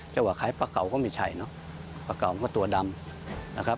เจ้าหวะคล้ายปลาเก่าก็ไม่ใช่เนอะปลาเก่าก็ตัวดำนะครับ